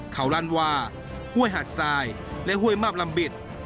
เขาลั่นว่าห้วยหาดทรายและห้วยมาบลำบิด